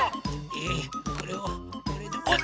えこれをこれで。